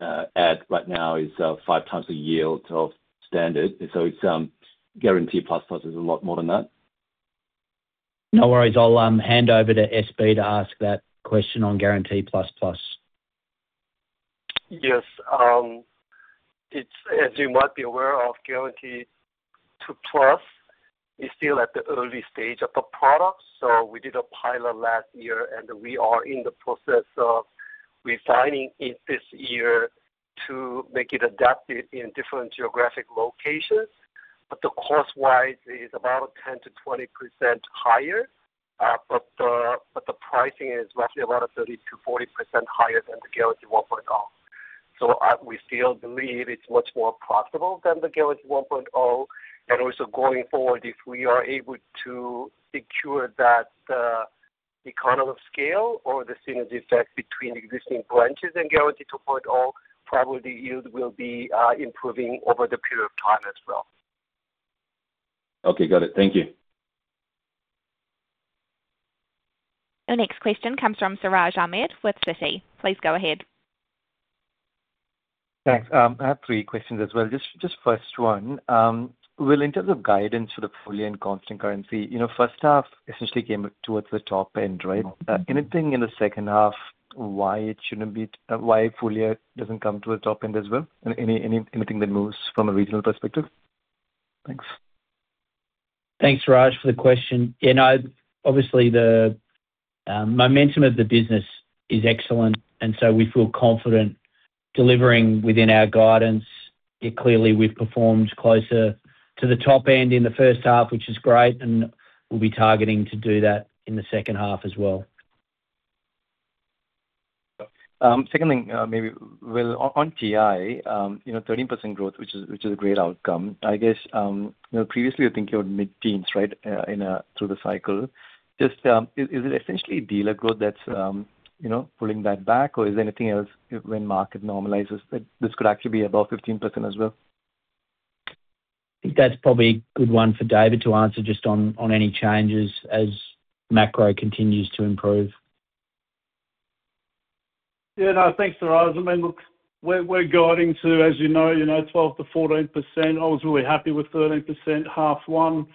at right now is five times the yield of standard, and so it's Guarantee+ is a lot more than that? No worries. I'll hand over to SB to ask that question on Guarantee+. Yes. It's as you might be aware of, Guarantee+ is still at the early stage of the product, so we did a pilot last year, and we are in the process of refining it this year to make it adapted in different geographic locations. But the cost-wise is about 10%-20% higher. But the pricing is roughly about 30%-40% higher than the Guarantee 1.0. So, we still believe it's much more profitable than the Guarantee 1.0, and also going forward, if we are able to secure that, economy of scale or the synergy effect between existing branches and Guarantee 2.0, probably yield will be improving over the period of time as well. Okay. Got it. Thank you. The next question comes from Siraj Ahmed with Citi. Please go ahead. Thanks. I have three questions as well. Just, just first one, well, in terms of guidance for the full year and constant currency, you know, first half essentially came towards the top end, right? Anything in the second half, why it shouldn't be, why full year doesn't come to a top end as well? Anything that moves from a regional perspective? Thanks. Thanks, Siraj, for the question. You know, obviously, the momentum of the business is excellent, and so we feel confident delivering within our guidance. Yeah, clearly, we've performed closer to the top end in the first half, which is great, and we'll be targeting to do that in the second half as well. Second thing, maybe, well, on, on TI, you know, 13% growth, which is, which is a great outcome. I guess, you know, previously you're thinking about mid-teens, right, in a through the cycle. Just, is it essentially dealer growth that's, you know, pulling that back, or is there anything else when market normalizes, that this could actually be above 15% as well? I think that's probably a good one for David to answer, just on any changes as macro continues to improve. Yeah, no, thanks, Siraj. I mean, look, we're, we're guiding to, as you know, you know, 12%-14%. I was really happy with 13%, H1. In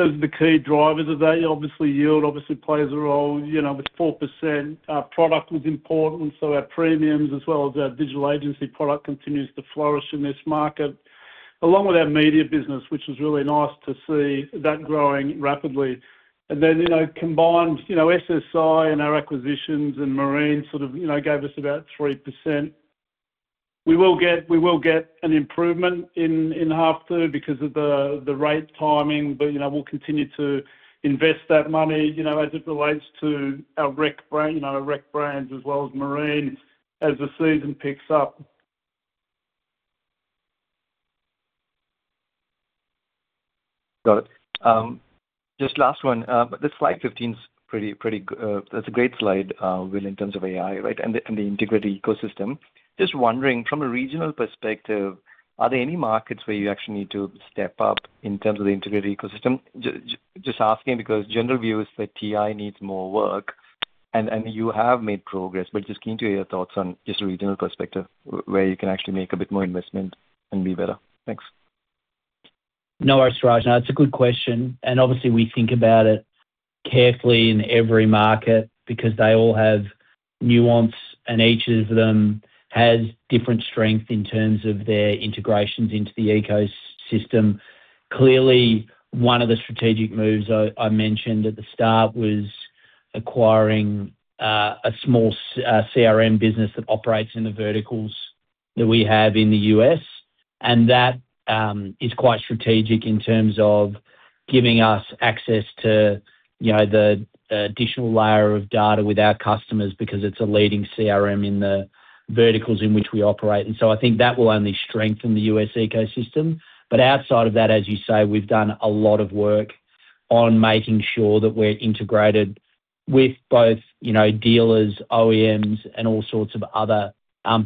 terms of the key drivers of that, obviously yield obviously plays a role, you know, with 4%. Our product was important, so our premiums as well as our digital agency product continues to flourish in this market, along with our media business, which was really nice to see that growing rapidly. And then, you know, combined, you know, SSI and our acquisitions and Marine sort of, you know, gave us about 3%. We will get an improvement in half two because of the rate timing, but, you know, we'll continue to invest that money, you know, as it relates to our rec brand, you know, our rec brands as well as Marine, as the season picks up. Got it. Just last one. The slide 15's pretty, pretty great. That's a great slide, well, in terms of AI, right? And the, and the integrated ecosystem. Just wondering, from a regional perspective, are there any markets where you actually need to step up in terms of the integrated ecosystem? Just asking because general view is that TI needs more work, and, and you have made progress, but just keen to hear your thoughts on just a regional perspective, where you can actually make a bit more investment and be better. Thanks. No worries, Siraj. No, it's a good question, and obviously, we think about it carefully in every market because they all have nuance, and each of them has different strength in terms of their integrations into the ecosystem. Clearly, one of the strategic moves I mentioned at the start was acquiring a small CRM business that operates in the verticals that we have in the U.S. And that is quite strategic in terms of giving us access to You know, the additional layer of data with our customers, because it's a leading CRM in the verticals in which we operate, and so I think that will only strengthen the U.S. ecosystem. But outside of that, as you say, we've done a lot of work. On making sure that we're integrated with both, you know, dealers, OEMs, and all sorts of other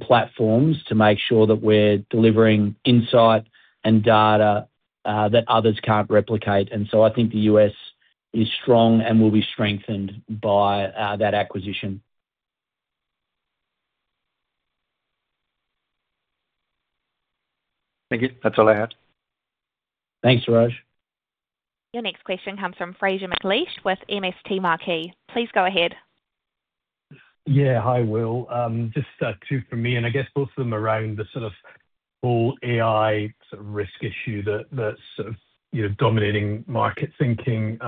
platforms, to make sure that we're delivering insight and data that others can't replicate. And so I think the US is strong and will be strengthened by that acquisition. Thank you. That's all I had. Thanks, Raj. Your next question comes from Fraser McLeish with MST Marquee. Please go ahead. Yeah. Hi, Will. Just two from me, and I guess both of them around the sort of whole AI sort of risk issue that's sort of, you know, dominating market thinking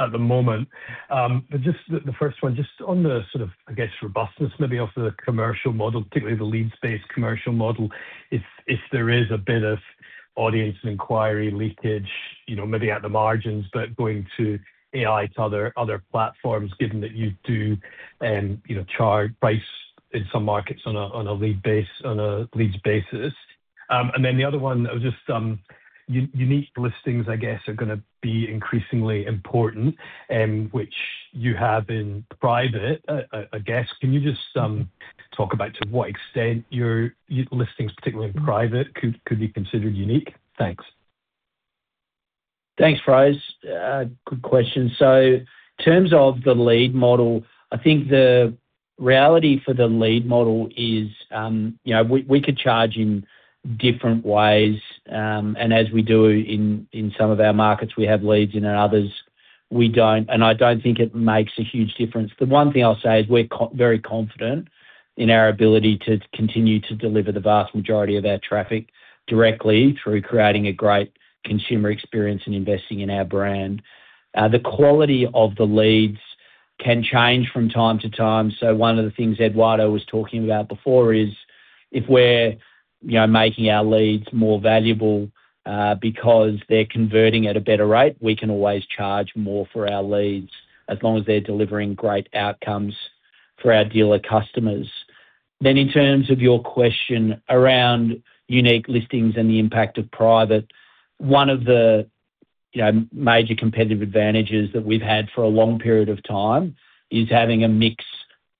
at the moment. But just the first one, just on the sort of, I guess, robustness maybe of the commercial model, particularly the leads-based commercial model, if there is a bit of audience inquiry leakage, you know, maybe at the margins, but going to AI to other platforms, given that you do, you know, charge price in some markets on a leads basis. And then the other one, just unique listings, I guess, are gonna be increasingly important, which you have in private. I guess, can you just talk about to what extent your listings, particularly in private, could be considered unique? Thanks. Thanks, Fraser. Good question. So in terms of the lead model, I think the reality for the lead model is, you know, we, we could charge in different ways, and as we do in, in some of our markets, we have leads, in others we don't, and I don't think it makes a huge difference. The one thing I'll say is we're very confident in our ability to continue to deliver the vast majority of our traffic directly through creating a great consumer experience and investing in our brand. The quality of the leads can change from time to time. So one of the things Eduardo was talking about before is, if we're, you know, making our leads more valuable, because they're converting at a better rate, we can always charge more for our leads, as long as they're delivering great outcomes for our dealer customers. Then in terms of your question around unique listings and the impact of private, one of the, you know, major competitive advantages that we've had for a long period of time is having a mix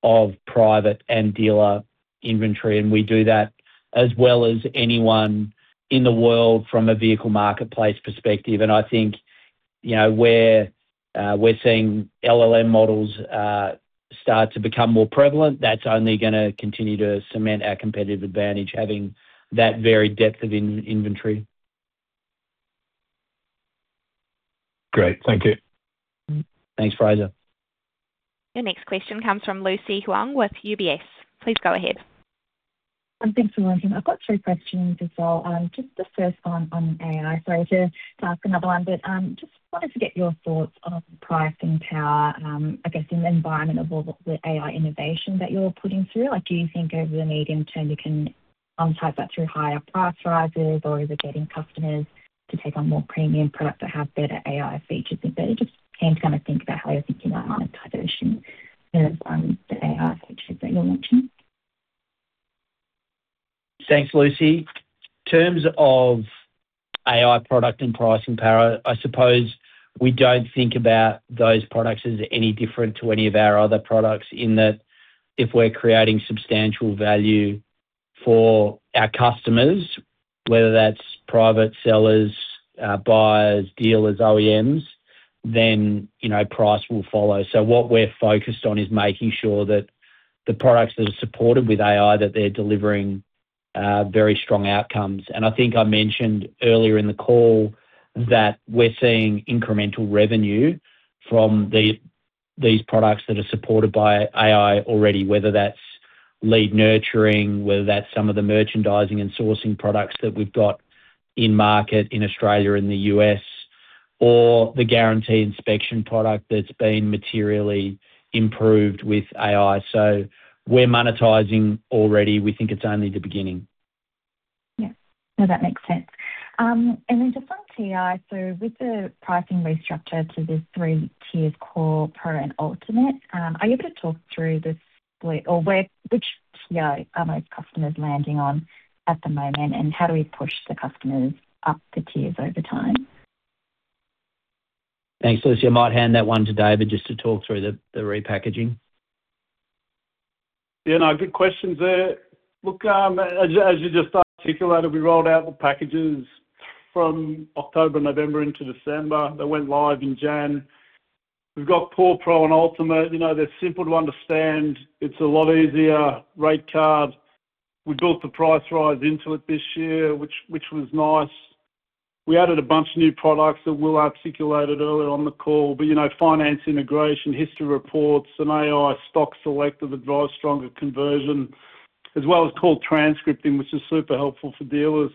of private and dealer inventory, and we do that as well as anyone in the world from a vehicle marketplace perspective. And I think, you know, where we're seeing LLM models start to become more prevalent, that's only gonna continue to cement our competitive advantage, having that very depth of inventory. Great. Thank you. Thanks, Fraser. Your next question comes from Lucy Huang with UBS. Please go ahead. Thanks for waiting. I've got three questions as well. Just the first one on AI. Sorry to ask another one, but just wanted to get your thoughts on pricing power, I guess, in the environment of all the AI innovation that you're putting through. Like, do you think over the medium term you can type that through higher price rises, or is it getting customers to take on more premium products that have better AI features? But just came to kind of think about how you're thinking about monetization in terms of the AI features that you're launching. Thanks, Lucy. In terms of AI product and pricing power, I suppose we don't think about those products as any different to any of our other products, in that if we're creating substantial value for our customers, whether that's private sellers, buyers, dealers, OEMs, then, you know, price will follow. So what we're focused on is making sure that the products that are supported with AI, that they're delivering very strong outcomes. And I think I mentioned earlier in the call that we're seeing incremental revenue from these products that are supported by AI already, whether that's lead nurturing, whether that's some of the merchandising and sourcing products that we've got in market in Australia and the U.S., or the Guarantee inspection product that's been materially improved with AI. So we're monetizing already. We think it's only the beginning. Yeah. No, that makes sense. And then just on TI, so with the pricing restructure to the three tiers, Core, Pro, and Ultimate, are you able to talk through the split or where, which tier are those customers landing on at the moment, and how do we push the customers up the tiers over time? Thanks, Lucy. I might hand that one to David, just to talk through the repackaging. Yeah, no, good questions there. Look, as you just articulated, we rolled out the packages from October, November into December. They went live in Jan. We've got Core, Pro and Ultimate. You know, they're simple to understand. It's a lot easier, rate card. We built the price rise into it this year, which was nice. We added a bunch of new products that Will articulated earlier on the call, but, you know, finance integration, history reports, and AI stock selective advice, stronger conversion, as well as call transcripting, which is super helpful for dealers.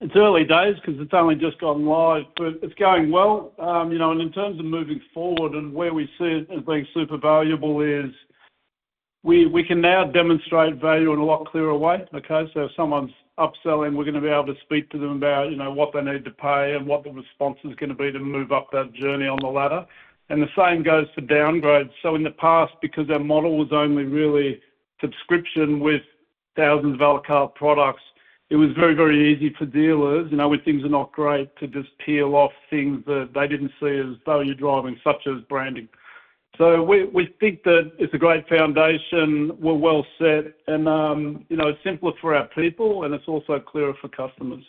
It's early days, 'cause it's only just gone live, but it's going well. You know, and in terms of moving forward and where we see it as being super valuable is we can now demonstrate value in a lot clearer way, okay? So if someone's upselling, we're gonna be able to speak to them about, you know, what they need to pay and what the response is gonna be to move up that journey on the ladder. And the same goes for downgrades. So in the past, because our model was only really subscription with thousands of a la carte products, it was very, very easy for dealers, you know, when things are not great, to just peel off things that they didn't see as value-driving, such as branding. So we think that it's a great foundation, we're well set, and, you know, it's simpler for our people, and it's also clearer for customers.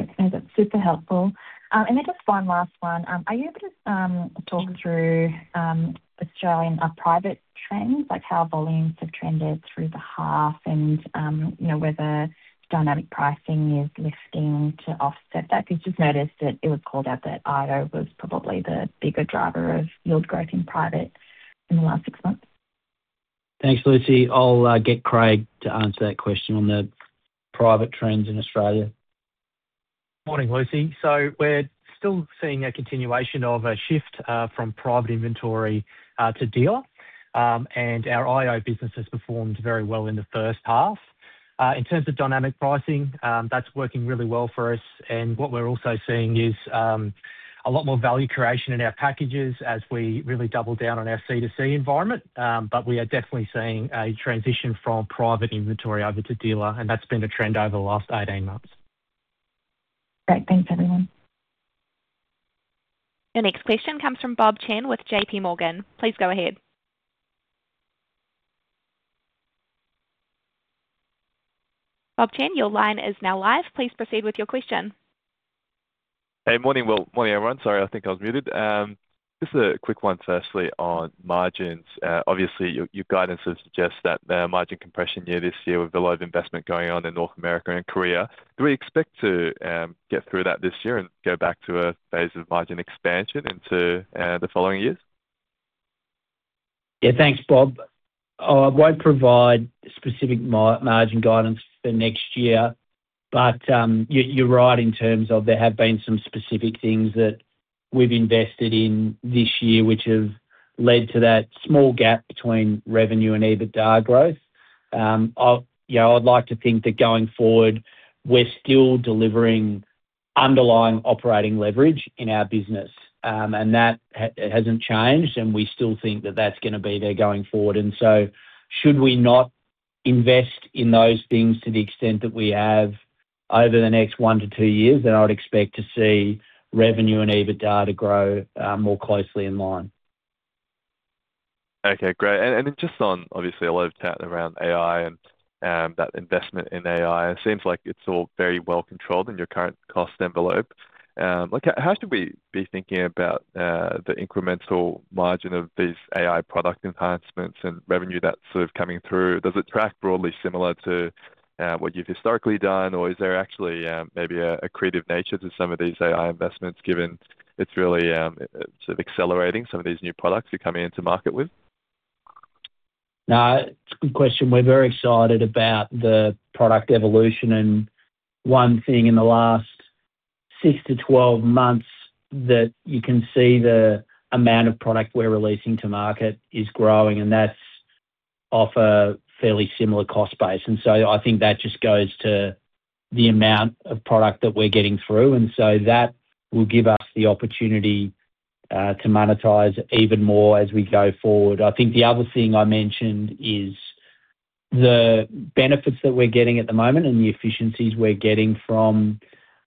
Okay, that's super helpful. And then just one last one. Are you able to talk through Australian private trends, like how volumes have trended through the half and you know, whether dynamic pricing is lifting to offset that? Because just noticed that it was called out that IO was probably the bigger driver of yield growth in private in the last six months. Thanks, Lucy. I'll get Craig to answer that question on the private trends in Australia. Morning, Lucy. So we're still seeing a continuation of a shift from private inventory to dealer. Our IO business has performed very well in the first half. In terms of dynamic pricing, that's working really well for us, and what we're also seeing is a lot more value creation in our packages as we really double down on our C2C environment. We are definitely seeing a transition from private inventory over to dealer, and that's been the trend over the last 18 months. Great. Thanks, everyone. The next question comes from Bob Chen with JPMorgan. Please go ahead. Bob Chen, your line is now live. Please proceed with your question. Hey, morning, well, morning, everyone. Sorry, I think I was muted. Just a quick one, firstly on margins. Obviously, your, your guidance would suggest that the margin compression year this year, with a lot of investment going on in North America and Korea, do we expect to get through that this year and go back to a phase of margin expansion into the following years? Yeah, thanks, Bob. I won't provide specific margin guidance for next year, but you're right in terms of there have been some specific things that we've invested in this year, which have led to that small gap between revenue and EBITDA growth. I'll, you know, I'd like to think that going forward, we're still delivering underlying operating leverage in our business, and that hasn't changed, and we still think that that's gonna be there going forward. And so should we not invest in those things to the extent that we have over the next 1-2 years, then I would expect to see revenue and EBITDA to grow more closely in line. Okay, great. And just on, obviously, a lot of chatting around AI and that investment in AI, it seems like it's all very well controlled in your current cost envelope. Like, how should we be thinking about the incremental margin of these AI product enhancements and revenue that's sort of coming through? Does it track broadly similar to what you've historically done, or is there actually maybe a creative nature to some of these AI investments, given it's really sort of accelerating some of these new products you're coming into market with? No, it's a good question. We're very excited about the product evolution, and one thing in the last 6-12 months that you can see the amount of product we're releasing to market is growing, and that's of a fairly similar cost base. And so I think that just goes to the amount of product that we're getting through, and so that will give us the opportunity to monetize even more as we go forward. I think the other thing I mentioned is the benefits that we're getting at the moment and the efficiencies we're getting from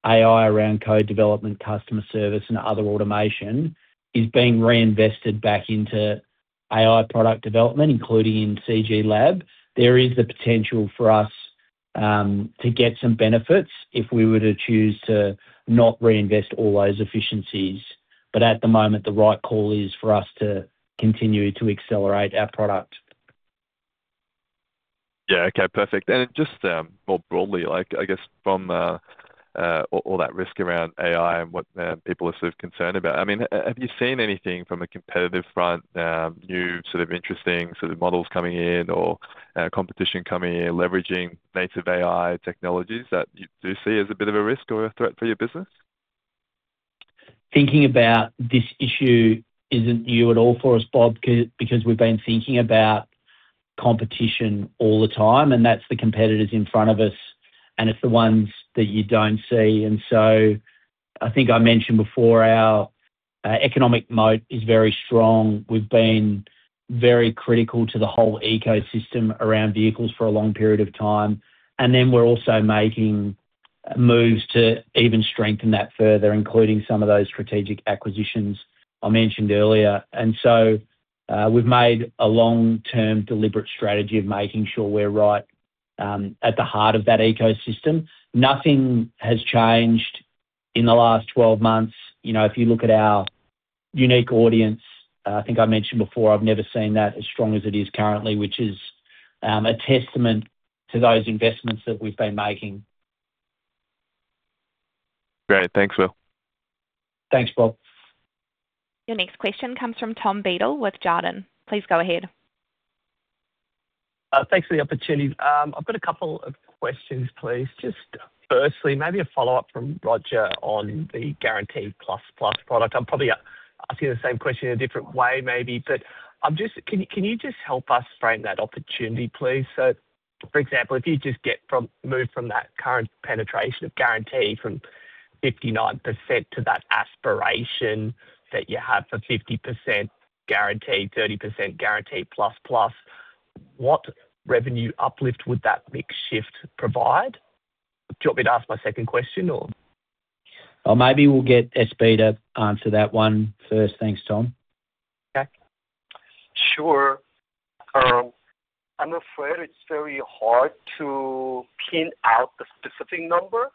AI around code development, customer service, and other automation, is being reinvested back into AI product development, including in CG Lab. There is the potential for us to get some benefits if we were to choose to not reinvest all those efficiencies, but at the moment, the right call is for us to continue to accelerate our product. Yeah, okay, perfect. And just, more broadly, like, I guess from the, all that risk around AI and what, people are sort of concerned about, I mean, have you seen anything from a competitive front, new sort of interesting sort of models coming in or, competition coming in, leveraging native AI technologies that you do see as a bit of a risk or a threat for your business? Thinking about this issue isn't new at all for us, Bob, because we've been thinking about competition all the time, and that's the competitors in front of us, and it's the ones that you don't see. I think I mentioned before, our economic moat is very strong. We've been very critical to the whole ecosystem around vehicles for a long period of time, and then we're also making moves to even strengthen that further, including some of those strategic acquisitions I mentioned earlier. And so, we've made a long-term deliberate strategy of making sure we're right at the heart of that ecosystem. Nothing has changed in the last 12 months. You know, if you look at our unique audience, I think I mentioned before, I've never seen that as strong as it is currently, which is a testament to those investments that we've been making. Great. Thanks, Will. Thanks, Bob. Your next question comes from Tom Beadle with Jarden. Please go ahead. Thanks for the opportunity. I've got a couple of questions, please. Just firstly, maybe a follow-up from Roger on the Guarantee+ product. I'm probably asking the same question in a different way maybe, but I'm just. Can you, can you just help us frame that opportunity, please? So for example, if you just move from that current penetration of Guarantee from 59% to that aspiration that you have for 50% Guarantee, 30% Guarantee+, what revenue uplift would that mix shift provide? Do you want me to ask my second question, or? Well, maybe we'll get SB to answer that one first. Thanks, Tom. Okay. Sure. I'm afraid it's very hard to pin out the specific number,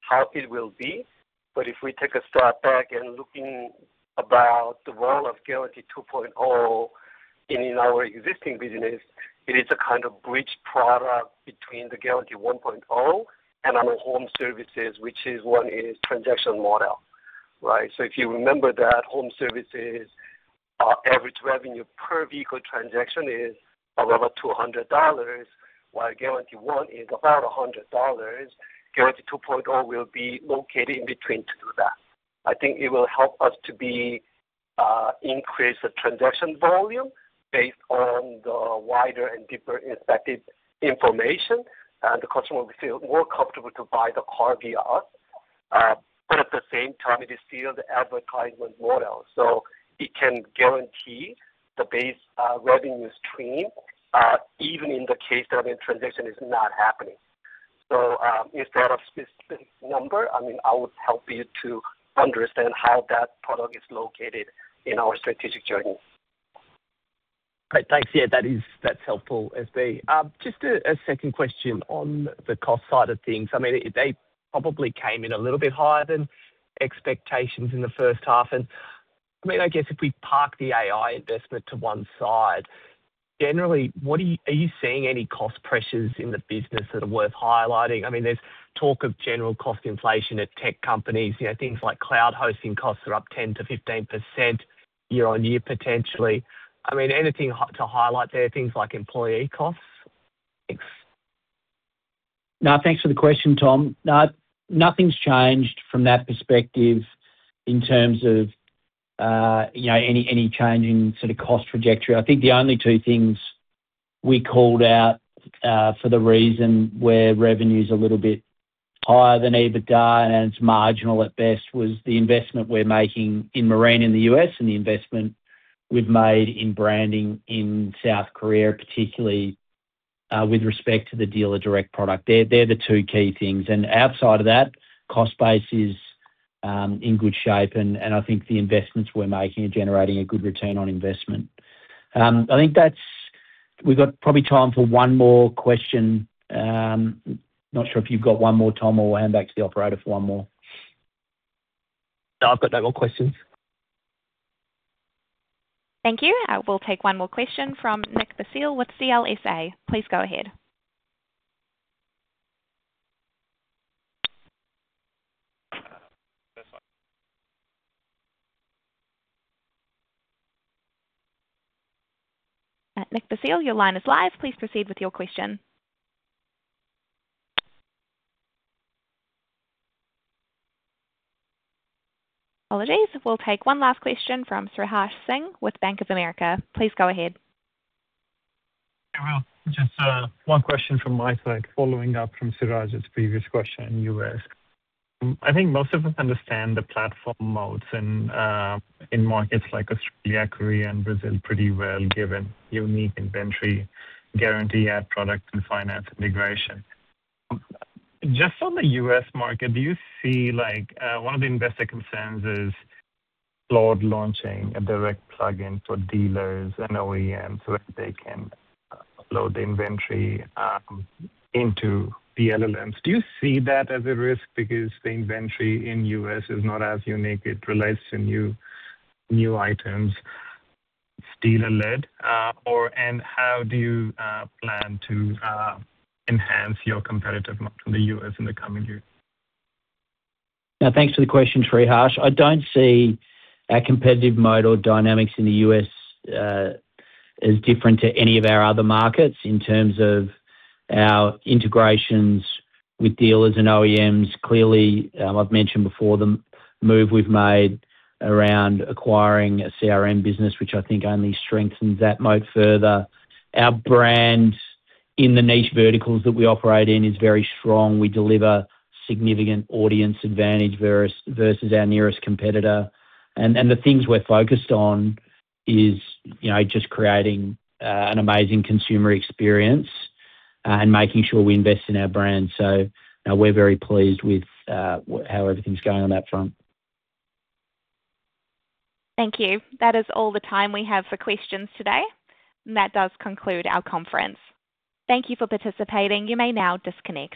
how it will be. But if we take a step back and looking about the world of Guarantee 2.0, and in our existing business, it is a kind of bridge product between the Guarantee 1.0, and on the Home Services, which is one is transaction model, right? So if you remember that Home Services, our average revenue per vehicle transaction is above $200, while Guarantee one is about $100. Guarantee 2.0 will be located in between to do that. I think it will help us to be, increase the transaction volume based on the wider and deeper affected information. The customer will feel more comfortable to buy the car VR, but at the same time it is still the advertisement model, so it can guarantee the base revenue stream, even in the case that a transition is not happening. So, instead of specific number, I mean, I would help you to understand how that product is located in our strategic journey. Great. Thanks. Yeah, that is that's helpful, SB. Just a second question on the cost side of things. I mean, they probably came in a little bit higher than expectations in the first half. And I mean, I guess if we park the AI investment to one side, generally, what are you seeing any cost pressures in the business that are worth highlighting? I mean, there's talk of general cost inflation at tech companies. You know, things like cloud hosting costs are up 10%-15% year-on-year, potentially. I mean, anything to highlight there, things like employee costs? Thanks. No, thanks for the question, Tom. No, nothing's changed from that perspective in terms of, you know, any change in sort of cost trajectory. I think the only two things we called out, for the reason where revenue's a little bit higher than EBITDA, and it's marginal at best, was the investment we're making in Marine in the U.S., and the investment we've made in branding in South Korea, particularly, with respect to the Dealer Direct product. They're, they're the two key things, and outside of that, cost base is in good shape. And I think the investments we're making are generating a good return on investment. I think that's... We've got probably time for one more question. Not sure if you've got one more, Tom, or we'll hand back to the operator for one more. I've got no more questions. Thank you. I will take one more question from Nick Basile with CLSA. Please go ahead. Nick Basile, your line is live, please proceed with your question. Apologies. We'll take one last question from Sriharsh Singh with Bank of America. Please go ahead. Well, just one question from my side, following up from Siraj's previous question you asked. I think most of us understand the platform moats in markets like Australia, Korea, and Brazil pretty well, given unique inventory guarantee, ad product, and finance integration. Just on the U.S. market, do you see like one of the investor concerns is Claude launching a direct plugin for dealers and OEMs, so that they can load the inventory into the LLMs. Do you see that as a risk? Because the inventory in U.S. is not as unique, it relates to new items, still and lead. And how do you plan to enhance your competitive moat in the U.S. in the coming years? Now, thanks for the question, Sriharsh. I don't see our competitive mode or dynamics in the U.S., as different to any of our other markets in terms of our integrations with dealers and OEMs. Clearly, I've mentioned before, the move we've made around acquiring a CRM business, which I think only strengthens that moat further. Our brand in the niche verticals that we operate in is very strong. We deliver significant audience advantage versus our nearest competitor. And the things we're focused on is, you know, just creating, an amazing consumer experience, and making sure we invest in our brand. So, now we're very pleased with, how everything's going on that front. Thank you. That is all the time we have for questions today, and that does conclude our conference. Thank you for participating. You may now disconnect.